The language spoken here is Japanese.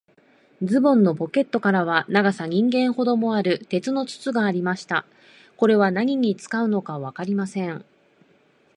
ズボンのポケットからは、長さ人間ほどもある、鉄の筒がありました。これは何に使うのかわかりません。